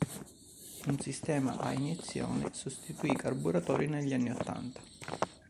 Un sistema a iniezione sostituì i carburatori negli anni ottanta.